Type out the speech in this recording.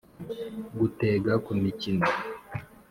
gutega ku mikino